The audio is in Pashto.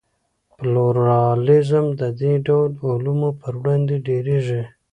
پلورالېزم د دې ډول اعلو پر وړاندې درېږي.